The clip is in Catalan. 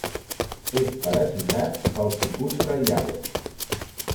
És parasitat pel cucut reial.